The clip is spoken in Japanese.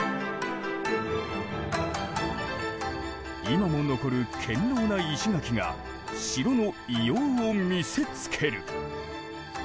今も残る堅牢な石垣が城の威容を見せつける。